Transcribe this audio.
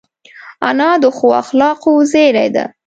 انا د ښو اخلاقو زېری ده